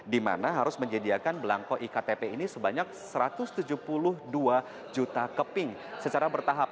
di mana harus menyediakan belangko iktp ini sebanyak satu ratus tujuh puluh dua juta keping secara bertahap